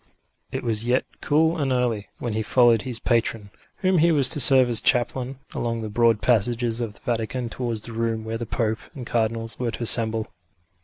It was yet cool and early, when he followed his patron, whom he was to serve as chaplain, along the broad passages of the Vatican towards the room where the Pope and Cardinals were to assemble.